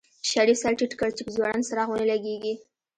شريف سر ټيټ کړ چې په ځوړند څراغ ونه لګېږي.